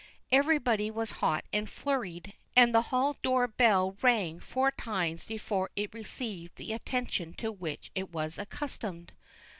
Everybody was hot and flurried, and the hall door bell rang four times before it received the attention to which it was accustomed.